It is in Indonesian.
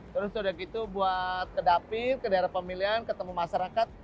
terus udah gitu buat ke dapir ke daerah pemilihan ketemu masyarakat